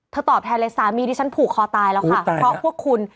ตอบแทนเลยสามีที่ฉันผูกคอตายแล้วค่ะเพราะพวกคุณ